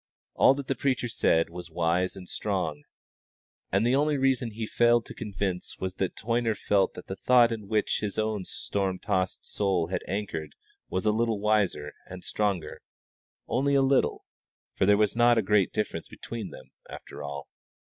All that the preacher said was wise and strong, and the only reason he failed to convince was that Toyner felt that the thought in which his own storm tossed soul had anchored was a little wiser and stronger only a little, for there was not a great difference between them, after all.